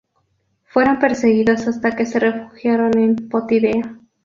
Fueron perseguidos hasta que se refugiaron en Potidea.